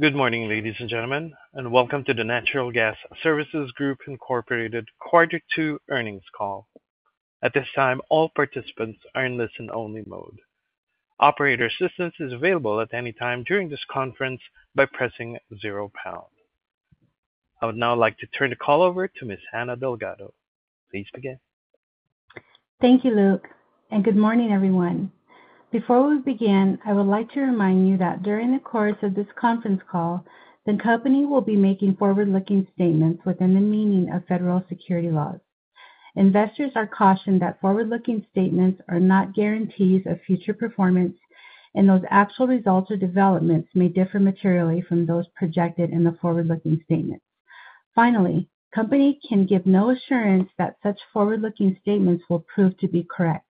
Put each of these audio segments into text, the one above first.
Good morning, ladies and gentlemen, and welcome to the Natural Gas Services Group, Inc. Quarter Two Earnings Call. At this time, all participants are in listen-only mode. Operator assistance is available at any time during this conference by pressing zero pound. I would now like to turn the call over to Ms. Anna Delgado. Please begin. Thank you, Luke, and good morning, everyone. Before we begin, I would like to remind you that during the course of this conference call, the company will be making forward-looking statements within the meaning of federal securities laws. Investors are cautioned that forward-looking statements are not guarantees of future performance, and that actual results or developments may differ materially from those projected in the forward-looking statements. Finally, the company can give no assurance that such forward-looking statements will prove to be correct.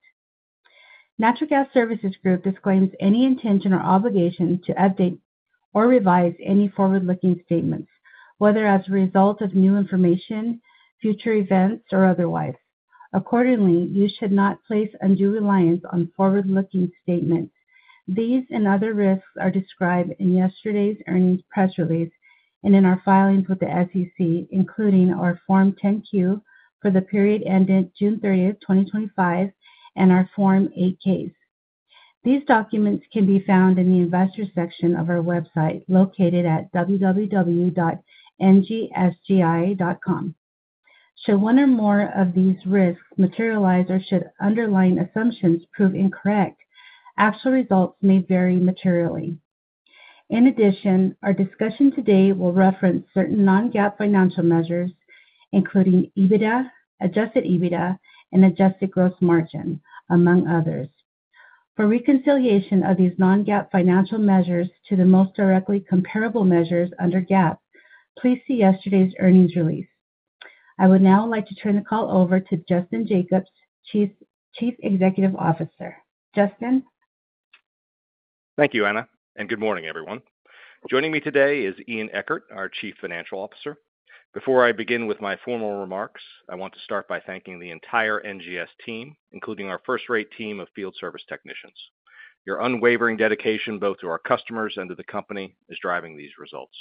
Natural Gas Services Group disclaims any intention or obligation to update or revise any forward-looking statements, whether as a result of new information, future events, or otherwise. Accordingly, you should not place undue reliance on forward-looking statements. These and other risks are described in yesterday's earnings press release and in our filings with the SEC, including our Form 10-Q for the period ending June 30, 2025, and our Form 8-Ks. These documents can be found in the Investor section of our website located at www.ngsgi.com. Should one or more of these risks materialize or should underlying assumptions prove incorrect, actual results may vary materially. In addition, our discussion today will reference certain non-GAAP financial measures, including EBITDA, adjusted EBITDA, and adjusted gross margin, among others. For reconciliation of these non-GAAP financial measures to the most directly comparable measures under GAAP, please see yesterday's earnings release. I would now like to turn the call over to Justin Jacobs, Chief Executive Officer. Justin. Thank you, Anna, and good morning, everyone. Joining me today is Ian Eckert, our Chief Financial Officer. Before I begin with my formal remarks, I want to start by thanking the entire NGS team, including our first-rate team of field service technicians. Your unwavering dedication both to our customers and to the company is driving these results.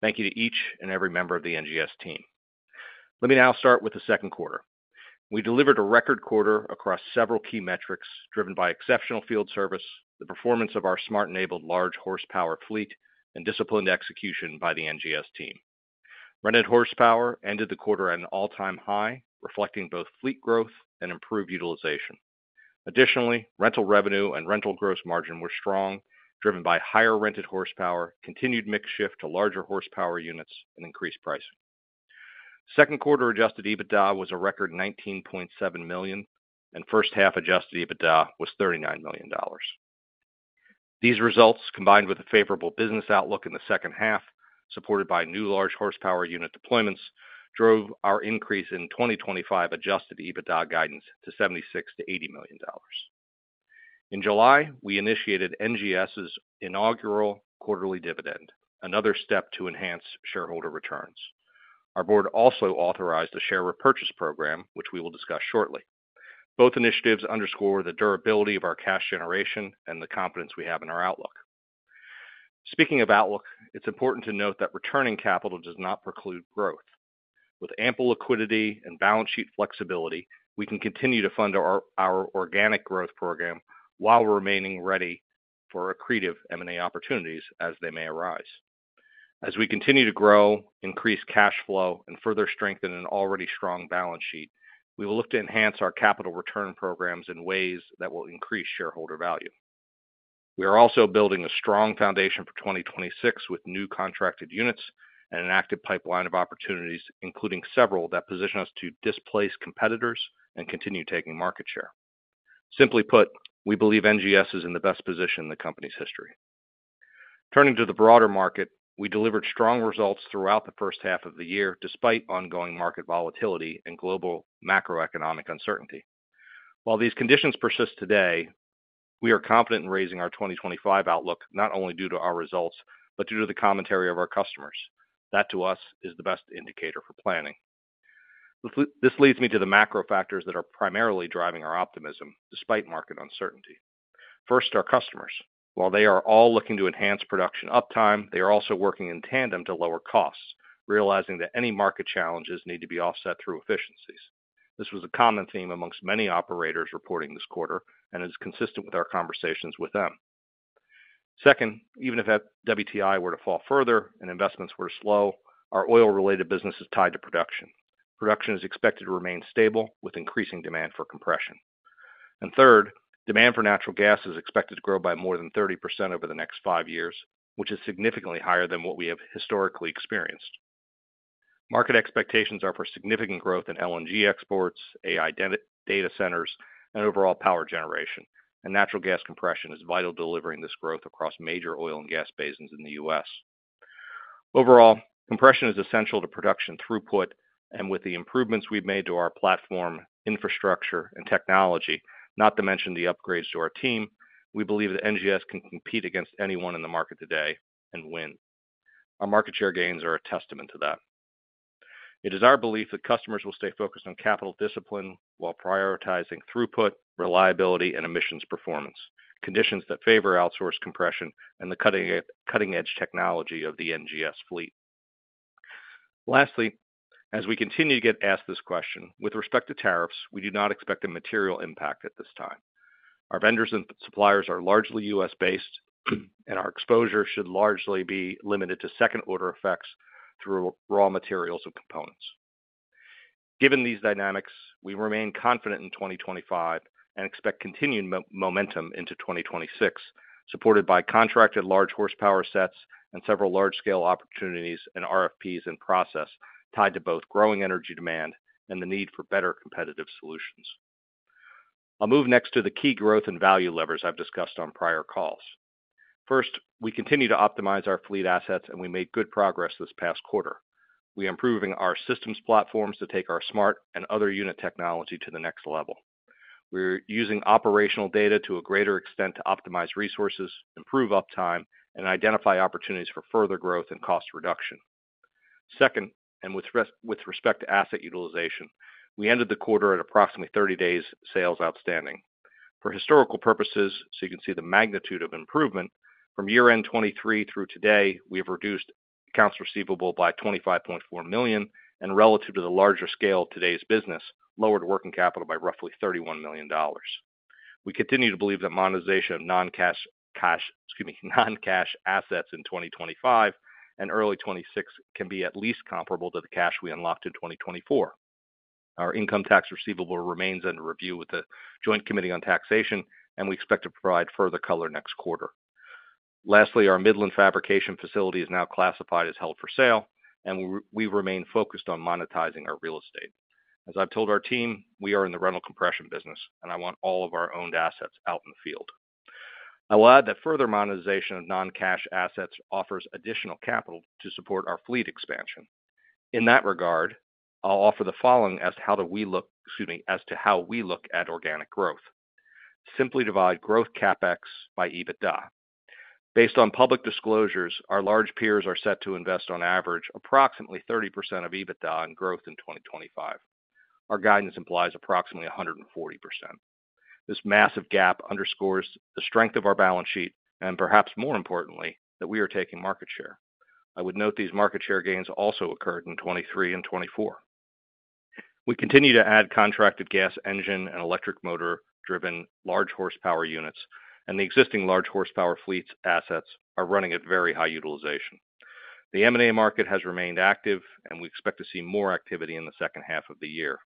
Thank you to each and every member of the NGS team. Let me now start with the second quarter. We delivered a record quarter across several key metrics driven by exceptional field service, the performance of our smart-enabled large horsepower fleet, and disciplined execution by the NGS team. Rented horsepower ended the quarter at an all-time high, reflecting both fleet growth and improved utilization. Additionally, rental revenue and rental gross margin were strong, driven by higher rented horsepower, continued mix shift to larger horsepower units, and increased pricing. Second quarter adjusted EBITDA was a record $19.7 million, and first half adjusted EBITDA was $39 million. These results, combined with a favorable business outlook in the second half, supported by new large horsepower unit deployments, drove our increase in 2025 adjusted EBITDA guidance to $76 million-$80 million. In July, we initiated NGS's inaugural quarterly dividend, another step to enhance shareholder returns. Our board also authorized the share repurchase program, which we will discuss shortly. Both initiatives underscore the durability of our cash generation and the confidence we have in our outlook. Speaking of outlook, it's important to note that returning capital does not preclude growth. With ample liquidity and balance sheet flexibility, we can continue to fund our organic growth program while remaining ready for accretive M&A opportunities as they may arise. As we continue to grow, increase cash flow, and further strengthen an already strong balance sheet, we will look to enhance our capital return programs in ways that will increase shareholder value. We are also building a strong foundation for 2026 with new contracted units and an active pipeline of opportunities, including several that position us to displace competitors and continue taking market share. Simply put, we believe NGS is in the best position in the company's history. Turning to the broader market, we delivered strong results throughout the first half of the year, despite ongoing market volatility and global macroeconomic uncertainty. While these conditions persist today, we are confident in raising our 2025 outlook, not only due to our results, but due to the commentary of our customers. That, to us, is the best indicator for planning. This leads me to the macro factors that are primarily driving our optimism, despite market uncertainty. First, our customers. While they are all looking to enhance production uptime, they are also working in tandem to lower costs, realizing that any market challenges need to be offset through efficiencies. This was a common theme among many operators reporting this quarter, and it is consistent with our conversations with them. Second, even if WTI were to fall further and investments were to slow, our oil-related business is tied to production. Production is expected to remain stable, with increasing demand for compression. Third, demand for natural gas is expected to grow by more than 30% over the next five years, which is significantly higher than what we have historically experienced. Market expectations are for significant growth in LNG export, AI data centers, and overall power generation, and natural gas compression is vital to delivering this growth across major oil and gas basins in the U.S. Overall, compression is essential to production throughput, and with the improvements we've made to our platform, infrastructure, and technology, not to mention the upgrades to our team, we believe that NGS can compete against anyone in the market today and win. Our market share gains are a testament to that. It is our belief that customers will stay focused on capital discipline while prioritizing throughput, reliability, and emissions performance, conditions that favor outsourced compression and the cutting-edge technology of the NGS fleet. Lastly, as we continue to get asked this question, with respect to tariffs, we do not expect a material impact at this time. Our vendors and suppliers are largely U.S.-based, and our exposure should largely be limited to second-order effects through raw materials and components. Given these dynamics, we remain confident in 2025 and expect continued momentum into 2026, supported by contracted large horsepower sets and several large-scale opportunities and RFPs in process, tied to both growing energy demand and the need for better competitive solutions. I'll move next to the key growth and value levers I've discussed on prior calls. First, we continue to optimize our fleet assets, and we made good progress this past quarter. We are improving our systems platforms to take our smart and other unit technology to the next level. We are using operational data to a greater extent to optimize resources, improve uptime, and identify opportunities for further growth and cost reduction. Second, and with respect to asset utilization, we ended the quarter at approximately 30 days sales outstanding. For historical purposes, so you can see the magnitude of improvement, from year-end 2023 through today, we have reduced accounts receivable by $25.4 million, and relative to the larger scale of today's business, lowered working capital by roughly $31 million. We continue to believe that monetization of non-cash assets in 2025 and early 2026 can be at least comparable to the cash we unlocked in 2024. Our income tax receivable remains under review with the Joint Committee on Taxation, and we expect to provide further color next quarter. Lastly, our Midland fabrication facility is now classified as held for sale, and we remain focused on monetizing our real estate. As I've told our team, we are in the rental compression business, and I want all of our owned assets out in the field. I will add that further monetization of non-cash assets offers additional capital to support our fleet expansion. In that regard, I'll offer the following as to how we look at organic growth. Simply divide growth CapEx by EBITDA. Based on public disclosures, our large peers are set to invest on average approximately 30% of EBITDA in growth in 2025. Our guidance implies approximately 140%. This massive gap underscores the strength of our balance sheet, and perhaps more importantly, that we are taking market share. I would note these market share gains also occurred in 2023 and 2024. We continue to add contracted gas engine and electric motor-driven large horsepower units, and the existing large horsepower fleet's assets are running at very high utilization. The M&A market has remained active, and we expect to see more activity in the second half of the year.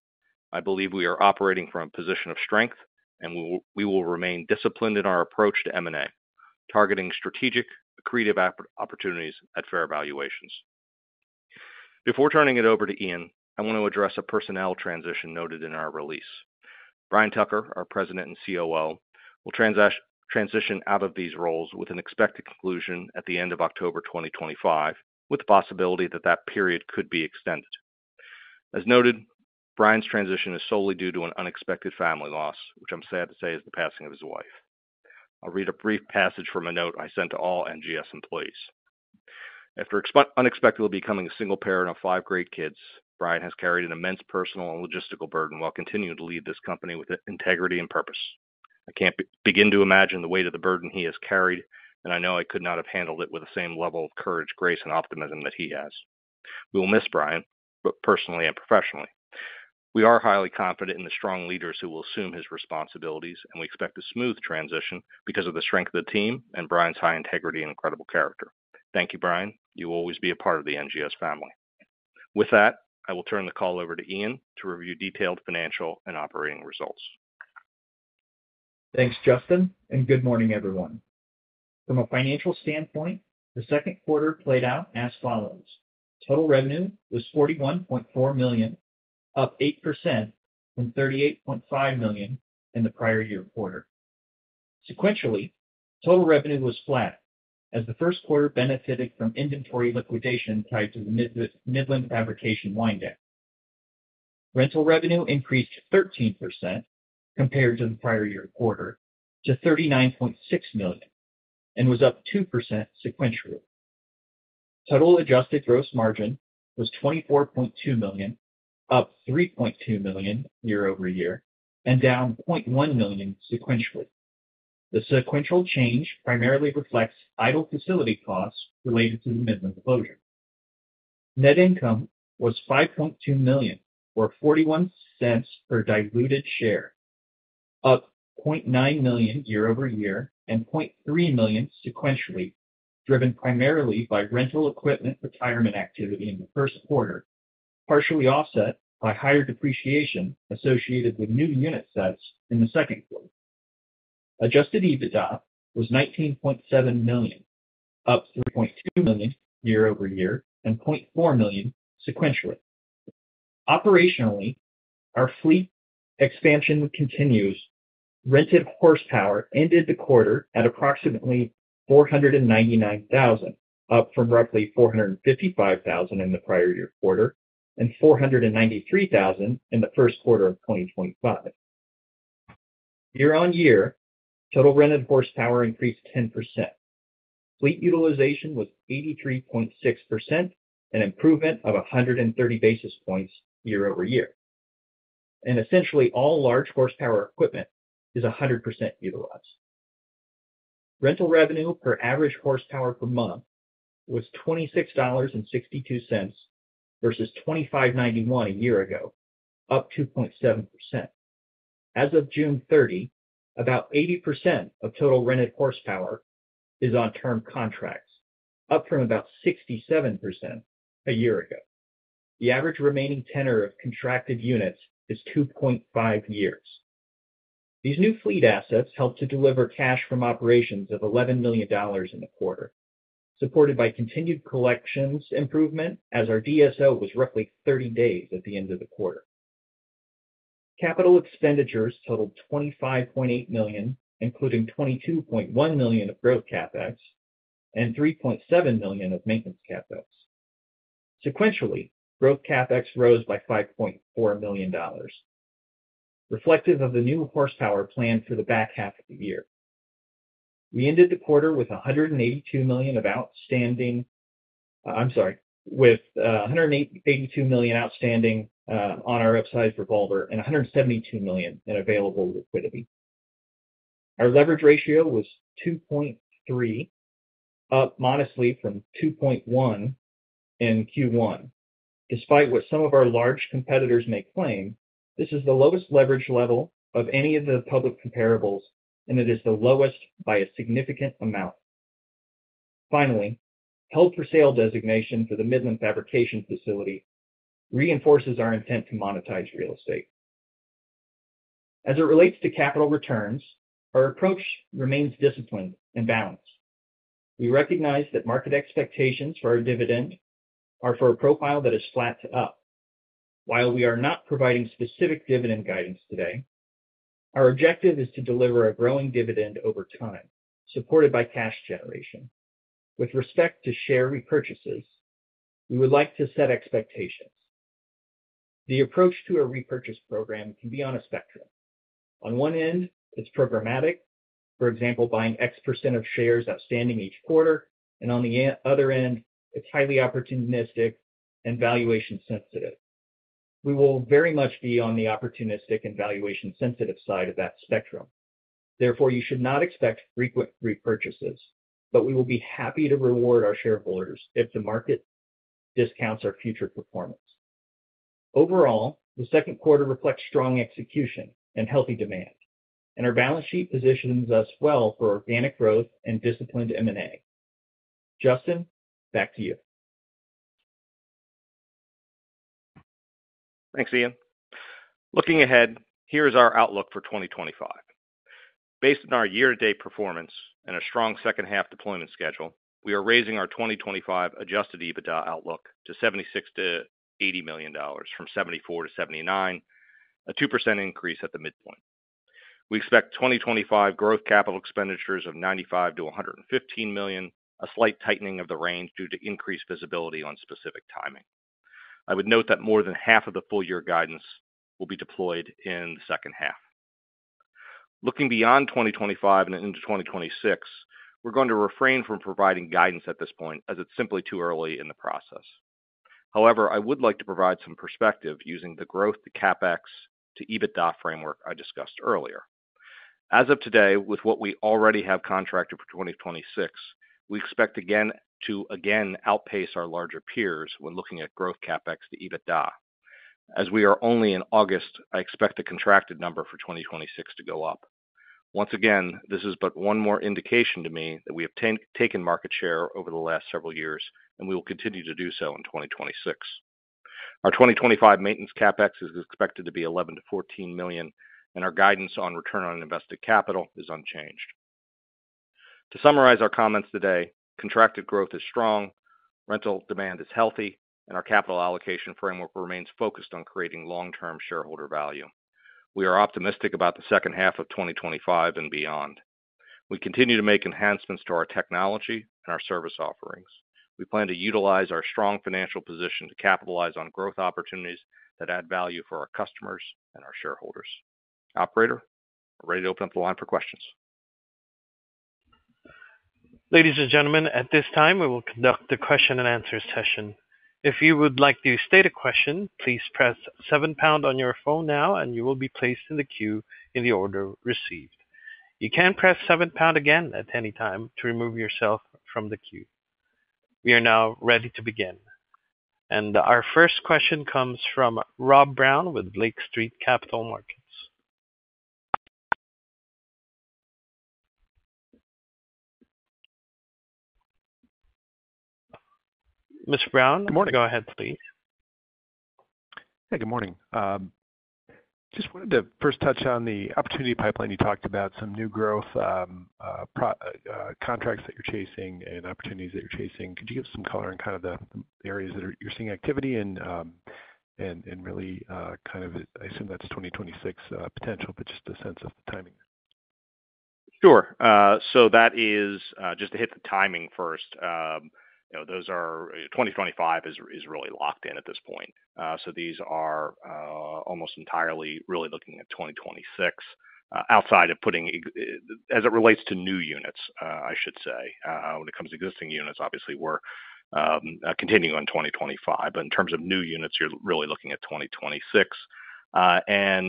I believe we are operating from a position of strength, and we will remain disciplined in our approach to M&A, targeting strategic accretive opportunities at fair valuations. Before turning it over to Ian, I want to address a personnel transition noted in our release. Brian Tucker, our President and COO, will transition out of these roles with an expected conclusion at the end of October 2025, with the possibility that that period could be extended. As noted, Brian's transition is solely due to an unexpected family loss, which I'm sad to say is the passing of his wife. I'll read a brief passage from a note I sent to all NGS employees. After unexpectedly becoming a single parent of five great kids, Brian has carried an immense personal and logistical burden while continuing to lead this company with integrity and purpose. I can't begin to imagine the weight of the burden he has carried, and I know I could not have handled it with the same level of courage, grace, and optimism that he has. We will miss Brian, both personally and professionally. We are highly confident in the strong leaders who will assume his responsibilities, and we expect a smooth transition because of the strength of the team and Brian's high integrity and incredible character. Thank you, Brian. You will always be a part of the NGS family. With that, I will turn the call over to Ian to review detailed financial and operating results. Thanks, Justin, and good morning, everyone. From a financial standpoint, the second quarter played out as follows. Total revenue was $41.4 million, up 8% and $38.5 million in the prior year quarter. Sequentially, total revenue was flat, as the first quarter benefited from inventory liquidation tied to the Midland fabrication facility winding. Rental revenue increased 13% compared to the prior year quarter to $39.6 million and was up 2% sequentially. Total adjusted gross margin was $24.2 million, up $3.2 million year over year, and down $0.1 million sequentially. The sequential change primarily reflects idle facility costs related to the Midland closure. Net income was $5.2 million, or $0.41 per diluted share, up $0.9 million year over year and $0.3 million sequentially, driven primarily by rental equipment retirement activity in the first quarter, partially offset by higher depreciation associated with new unit sets in the second quarter. Adjusted EBITDA was $19.7 million, up $0.2 million year over year and $0.4 million sequentially. Operationally, our fleet expansion continues. Rented horsepower ended the quarter at approximately 499,000, up from roughly 455,000 in the prior year quarter and 493,000 in the first quarter of 2025. Year on year, total rented horsepower increased 10%. Fleet utilization was 83.6%, an improvement of 130 basis points year over year. Essentially, all large horsepower equipment is 100% utilized. Rental revenue per average horsepower per month was $26.62 versus $25.91 a year ago, up 2.7%. As of June 30, about 80% of total rented horsepower is on term contracts, up from about 67% a year ago. The average remaining tenor of contracted units is 2.5 years. These new fleet assets help to deliver cash from operations of $11 million in the quarter, supported by continued collections improvement, as our DSO was roughly 30 days at the end of the quarter. Capital expenditures totaled $25.8 million, including $22.1 million of growth CapEx and $3.7 million of maintenance CapEx. Sequentially, growth CapEx rose by $5.4 million, reflective of the new horsepower planned for the back half of the year. We ended the quarter with $182 million outstanding on our upsize revolver and $172 million in available liquidity. Our leverage ratio was 2.3, up modestly from 2.1 in Q1. Despite what some of our large competitors may claim, this is the lowest leverage level of any of the public comparables, and it is the lowest by a significant amount. Finally, held for sale designation for the Midland fabrication facility reinforces our intent to monetize real estate. As it relates to capital returns, our approach remains disciplined and balanced. We recognize that market expectations for our dividend are for a profile that is flat to up. While we are not providing specific dividend guidance today, our objective is to deliver a growing dividend over time, supported by cash generation. With respect to share repurchases, we would like to set expectations. The approach to a repurchase program can be on a spectrum. On one end, it's programmatic, for example, buying X % of shares outstanding each quarter, and on the other end, it's highly opportunistic and valuation sensitive. We will very much be on the opportunistic and valuation sensitive side of that spectrum. Therefore, you should not expect frequent repurchases, but we will be happy to reward our shareholders if the market discounts our future performance. Overall, the second quarter reflects strong execution and healthy demand, and our balance sheet positions us well for organic growth and disciplined M&A. Justin, back to you. Thanks, Ian. Looking ahead, here is our outlook for 2025. Based on our year-to-date performance and a strong second half deployment schedule, we are raising our 2025 adjusted EBITDA outlook to $76 million-$80 million from $74 million-$79 million, a 2% increase at the midpoint. We expect 2025 growth capital expenditures of $95 million-$115 million, a slight tightening of the range due to increased visibility on specific timing. I would note that more than half of the full-year guidance will be deployed in the second half. Looking beyond 2025 and into 2026, we're going to refrain from providing guidance at this point, as it's simply too early in the process. However, I would like to provide some perspective using the growth to CapEx to EBITDA framework I discussed earlier. As of today, with what we already have contracted for 2026, we expect again to outpace our larger peers when looking at growth CapEx to EBITDA. As we are only in August, I expect the contracted number for 2026 to go up. Once again, this is but one more indication to me that we have taken market share over the last several years, and we will continue to do so in 2026. Our 2025 maintenance CapEx is expected to be $11 million-$14 million, and our guidance on return on invested capital is unchanged. To summarize our comments today, contracted growth is strong, rental demand is healthy, and our capital allocation framework remains focused on creating long-term shareholder value. We are optimistic about the second half of 2025 and beyond. We continue to make enhancements to our technology and our service offerings. We plan to utilize our strong financial position to capitalize on growth opportunities that add value for our customers and our shareholders. Operator, we're ready to open up the line for questions. Ladies and gentlemen, at this time, we will conduct the question and answer session. If you would like to state a question, please press 7# on your phone now, and you will be placed in the queue in the order received. You can press 7# again at any time to remove yourself from the queue. We are now ready to begin. Our first question comes from Rob Brown with Lake Street Capital. Mr. Brown, go ahead, please. Hey, good morning. Just wanted to first touch on the opportunity pipeline you talked about, some new growth contracts that you're chasing and opportunities that you're chasing. Could you give some color on kind of the areas that you're seeing activity in and really kind of, I assume that's 2026 potential, but just a sense of timing. Sure. That is just to hit the timing first. You know, those are 2025 is really locked in at this point. These are almost entirely really looking at 2026. Outside of putting, as it relates to new units, I should say, when it comes to existing units, obviously we're continuing on 2025. In terms of new units, you're really looking at 2026. A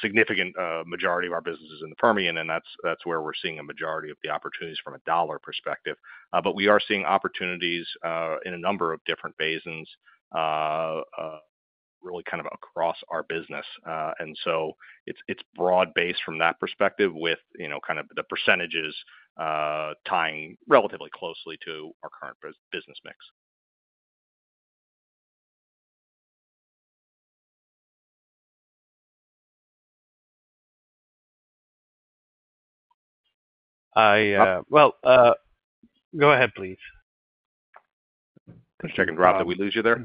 significant majority of our business is in the Permian, and that's where we're seeing a majority of the opportunities from a dollar perspective. We are seeing opportunities in a number of different basins, really kind of across our business. It's broad-based from that perspective with, you know, kind of the percentages tying relatively closely to our current business mix. Go ahead, please. Can I just check, did we lose you there?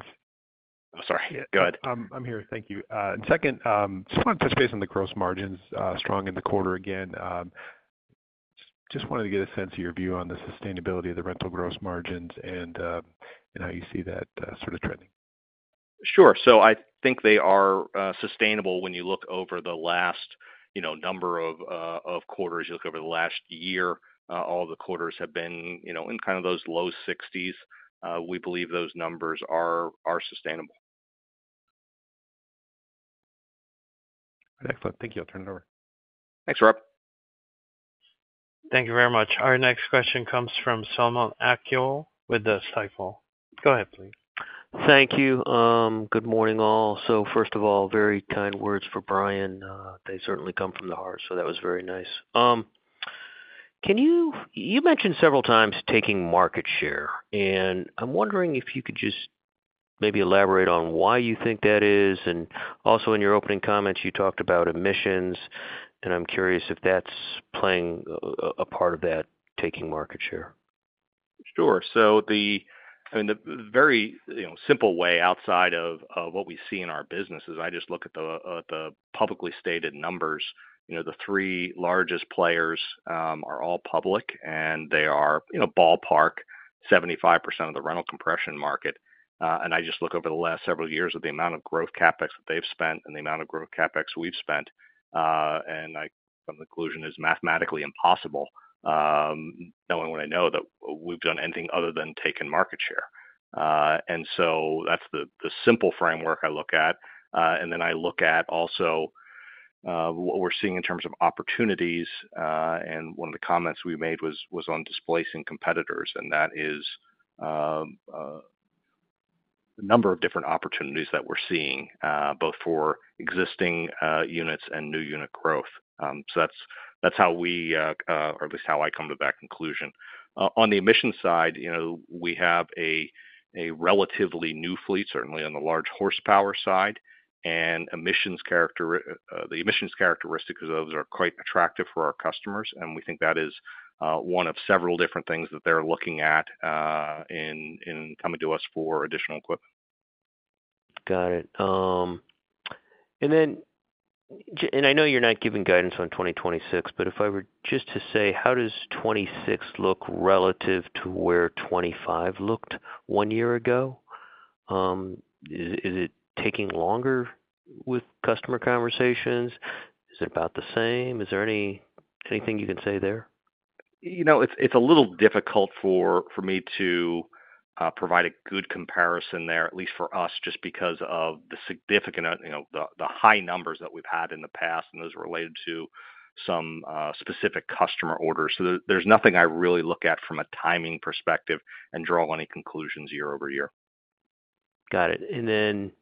Oh, sorry. Go ahead. I'm here. Thank you. Second, I just want to touch base on the gross margins, strong in the quarter again. I just wanted to get a sense of your view on the sustainability of the rental gross margins and how you see that sort of trending. Sure. I think they are sustainable when you look over the last number of quarters, you look over the last year, all the quarters have been in kind of those low 60s. We believe those numbers are sustainable. Excellent. Thank you. I'll turn it over. Thanks, Rob. Thank you very much. Our next question comes from Selman Akyol with Stifel. Go ahead, please. Thank you. Good morning all. First of all, very kind words for Brian. They certainly come from the heart, so that was very nice. You mentioned several times taking market share, and I'm wondering if you could just maybe elaborate on why you think that is, and also in your opening comments, you talked about emissions, and I'm curious if that's playing a part of that taking market share. Sure. The very simple way outside of what we see in our business is I just look at the publicly stated numbers. The three largest players are all public, and they are ballpark 75% of the rental compression market. I just look over the last several years at the amount of growth CapEx that they've spent and the amount of growth CapEx we've spent. I come to the conclusion it's mathematically impossible, knowing what I know, that we've done anything other than taken market share. That's the simple framework I look at. I also look at what we're seeing in terms of opportunities. One of the comments we made was on displacing competitors, and that is the number of different opportunities that we're seeing, both for existing units and new unit growth. That's how we, or at least how I come to that conclusion. On the emission side, we have a relatively new fleet, certainly on the large horsepower side, and the emissions characteristics of those are quite attractive for our customers. We think that is one of several different things that they're looking at in coming to us for additional equipment. Got it. I know you're not giving guidance on 2026, but if I were just to say, how does 2026 look relative to where 2025 looked one year ago? Is it taking longer with customer conversations? Is it about the same? Is there anything you can say there? It's a little difficult for me to provide a good comparison there, at least for us, just because of the significant, you know, the high numbers that we've had in the past, and those are related to some specific customer orders. There's nothing I really look at from a timing perspective and draw any conclusions year over year. Got it.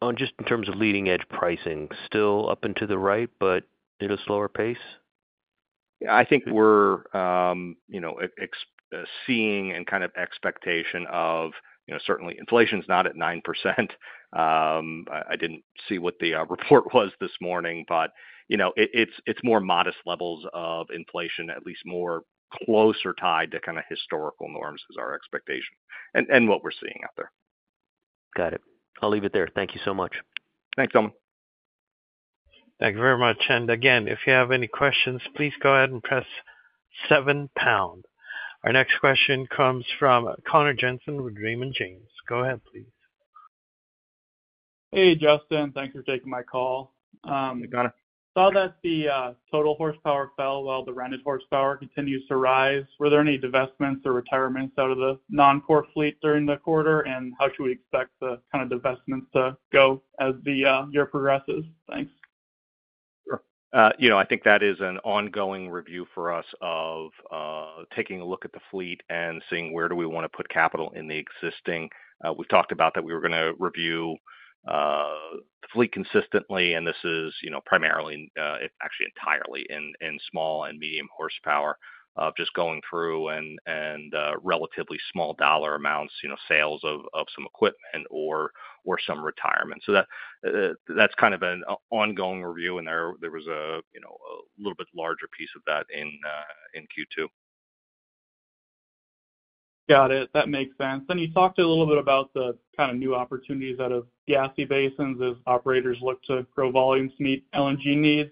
On just in terms of leading-edge pricing, still up and to the right, but at a slower pace? Yeah, I think we're seeing an expectation of, you know, certainly inflation is not at 9%. I didn't see what the report was this morning, but it's more modest levels of inflation, at least more closely tied to historical norms is our expectation and what we're seeing out there. Got it. I'll leave it there. Thank you so much. Thanks, Selman. Thank you very much. If you have any questions, please go ahead and press seven pound. Our next question comes from Connor Jensen with Raymond James. Go ahead, please. Hey, Justin. Thanks for taking my call. I got it. Saw that the total horsepower fell while the rented horsepower continues to rise. Were there any divestments or retirements out of the non-core fleet during the quarter? How should we expect the kind of divestments to go as the year progresses? Thanks. I think that is an ongoing review for us of taking a look at the fleet and seeing where do we want to put capital in the existing. We've talked about that we were going to review the fleet consistently, and this is primarily, actually entirely in small and medium horsepower, just going through and relatively small dollar amounts, sales of some equipment or some retirement. That's kind of an ongoing review, and there was a little bit larger piece of that in Q2. Got it. That makes sense. You talked a little bit about the kind of new opportunities out of gassy basins as operators look to grow volumes to meet LNG needs.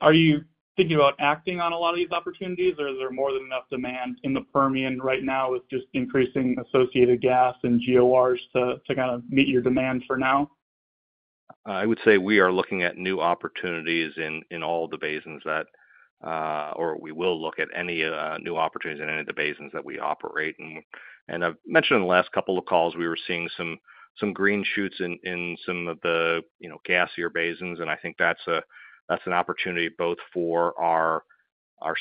Are you thinking about acting on a lot of these opportunities, or is there more than enough demand in the Permian right now with just increasing associated gas and GORs to kind of meet your demand for now? I would say we are looking at new opportunities in all of the basins that, or we will look at any new opportunities in any of the basins that we operate. I've mentioned in the last couple of calls we were seeing some green shoots in some of the, you know, gassier basins, and I think that's an opportunity both for our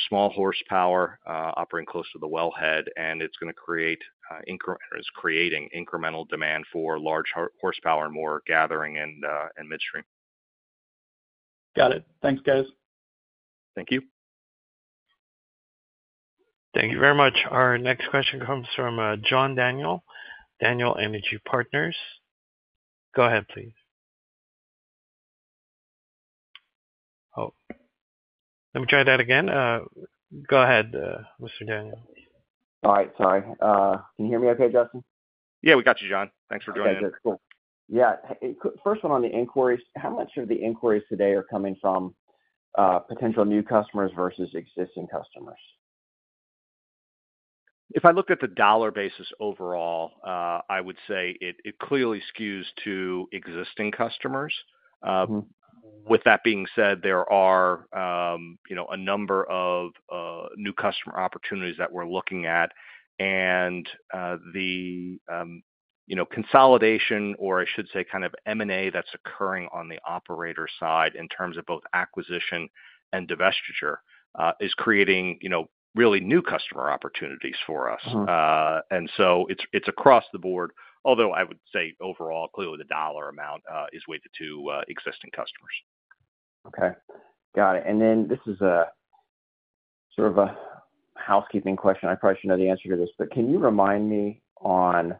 small horsepower operating close to the wellhead, and it's going to create, is creating incremental demand for large horsepower and more gathering in midstream. Got it. Thanks, guys. Thank you. Thank you very much. Our next question comes from John Daniel, Daniel Energy Partners. Go ahead, please. Go ahead, Mr. Daniel. All right, sorry. Can you hear me okay, Justin? Yeah, we got you, John. Thanks for joining us. Yeah, good. Cool. First one on the inquiries. How much of the inquiries today are coming from potential new customers versus existing customers? If I looked at the dollar basis overall, I would say it clearly skews to existing customers. With that being said, there are a number of new customer opportunities that we're looking at, and the consolidation, or I should say kind of M&A that's occurring on the operator side in terms of both acquisition and divestiture, is creating really new customer opportunities for us. It is across the board, although I would say overall, clearly the dollar amount is weighted to existing customers. Okay. Got it. This is a sort of a housekeeping question. I probably should know the answer to this, but can you remind me on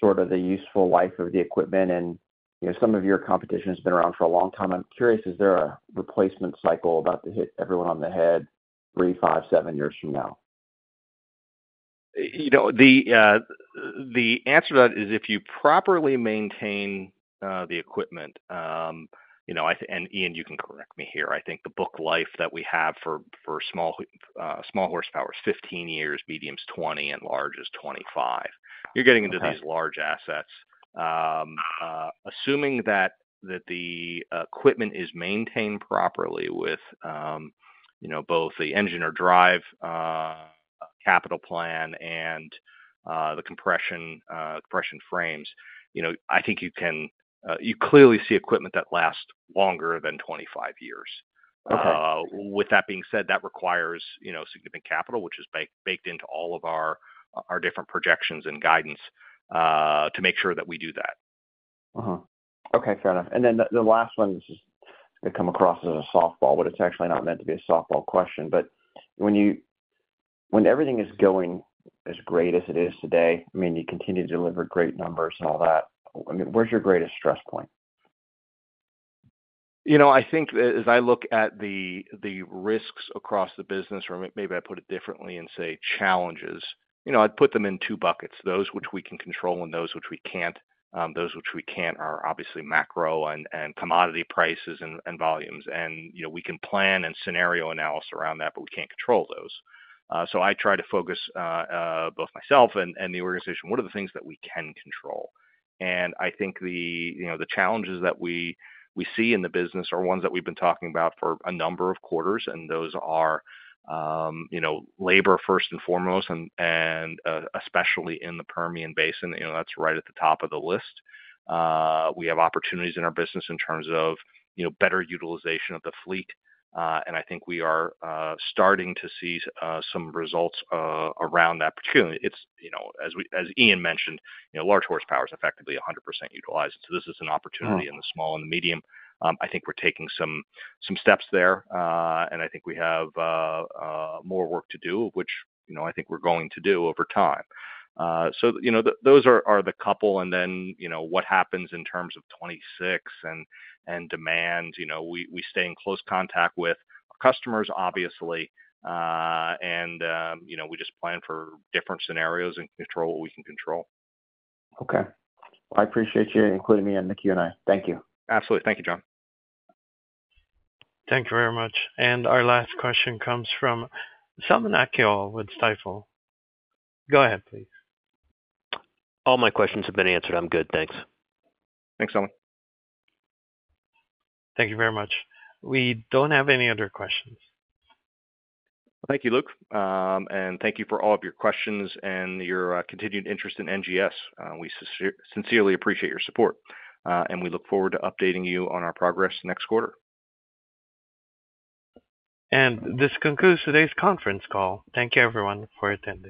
sort of the useful life of the equipment? You know, some of your competition has been around for a long time. I'm curious, is there a replacement cycle about to hit everyone on the head three, five, seven years from now? You know, the answer to that is if you properly maintain the equipment, and Ian, you can correct me here, I think the book life that we have for small horsepower is 15 years, medium is 20, and large is 25. You're getting into these large assets. Assuming that the equipment is maintained properly with both the engine or drive capital plan and the compression frames, I think you can clearly see equipment that lasts longer than 25 years. With that being said, that requires significant capital, which is baked into all of our different projections and guidance to make sure that we do that. Okay, fair enough. The last one, this is, it comes across as a softball, but it's actually not meant to be a softball question. When everything is going as great as it is today, I mean, you continue to deliver great numbers and all that. Where's your greatest stress point? You know, I think as I look at the risks across the business, or maybe I put it differently and say challenges, I'd put them in two buckets, those which we can control and those which we can't. Those which we can't are obviously macro and commodity prices and volumes. We can plan and scenario analysis around that, but we can't control those. I try to focus both myself and the organization on what are the things that we can control. I think the challenges that we see in the business are ones that we've been talking about for a number of quarters, and those are labor first and foremost, and especially in the Permian Basin, that's right at the top of the list. We have opportunities in our business in terms of better utilization of the fleet, and I think we are starting to see some results around that particularly. It's, as Ian Eckert mentioned, large horsepower is effectively 100% utilized. This is an opportunity in the small and the medium. I think we're taking some steps there, and I think we have more work to do, which I think we're going to do over time. Those are the couple, and then what happens in terms of 2026 and demands, we stay in close contact with customers, obviously, and we just plan for different scenarios and control what we can control. Okay, I appreciate you including me in the Q&A. Thank you. Absolutely. Thank you, John. Thank you very much. Our last question comes from Selman Akyol with Stifel. Go ahead, please. All my questions have been answered. I'm good. Thanks. Thanks, Selman. Thank you very much. We don't have any other questions. Thank you, Luke. Thank you for all of your questions and your continued interest in NGS. We sincerely appreciate your support, and we look forward to updating you on our progress next quarter. This concludes today's conference call. Thank you, everyone, for attending.